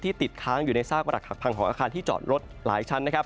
ที่ติดค้างอยู่ในซากหลักหักพังของอาคารที่จอดรถหลายชั้น